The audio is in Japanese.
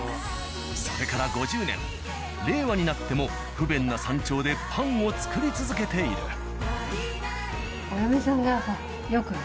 それから５０年令和になっても不便な山頂でパンを作り続けている。